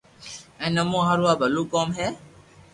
ھين امو ھارون آ بلو ڪوم ھي